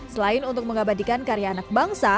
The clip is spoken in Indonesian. selain untuk mengabadikan karya anak bangsa